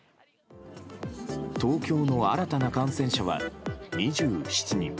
東京の新たな感染者は２７人。